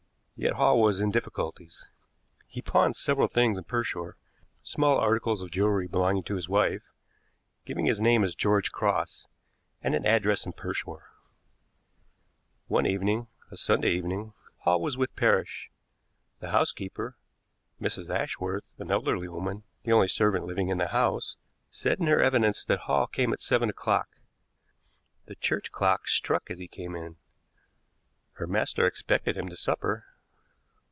Yet Hall was in difficulties. He pawned several things in Pershore small articles of jewelry belonging to his wife giving his name as George Cross, and an address in Pershore. One evening a Sunday evening Hall was with Parrish. The housekeeper Mrs. Ashworth, an elderly woman the only servant living in the house, said in her evidence that Hall came at seven o'clock. The church clock struck as he came in. Her master expected him to supper.